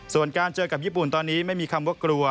ส่วนการเจอกับญี่ปุ่นตอนนี้ไม่มีคำว่ากลัว